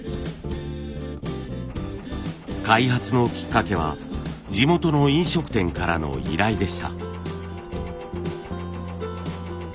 開発のきっかけは地元の飲食店からの依頼でした。